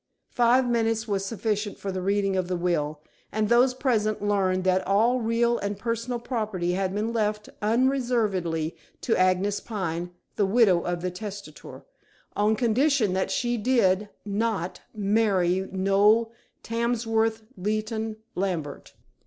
Five minutes was sufficient for the reading of the will, and those present learned that all real and personal property had been left unreservedly to Agnes Pine, the widow of the testator, on condition that she did not marry Noel Tamsworth Leighton Lambert.